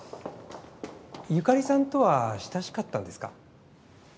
由香里さんとは親しかったんですか？